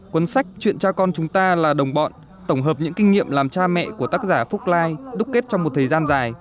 cuốn sách chuyện cha con chúng ta là đồng bọn tổng hợp những kinh nghiệm làm cha mẹ của tác giả phúc lai đúc kết trong một thời gian dài